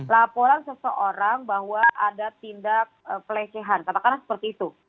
laporan seseorang bahwa ada tindak pelecehan katakanlah seperti itu